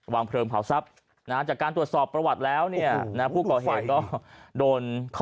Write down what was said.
วางเพลิงเผาทรัพย์จากการตรวจสอบประวัติแล้วเนี่ยนะผู้ก่อเหตุก็โดนข้อ